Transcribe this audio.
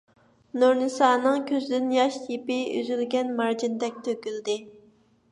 نۇرنىسانىڭ كۆزىدىن ياش يىپى ئۈزۈلگەن مارجاندەك تۆكۈلدى.